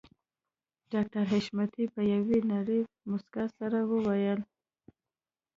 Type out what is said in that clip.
ډاکټر حشمتي په يوې نرۍ مسکا سره وويل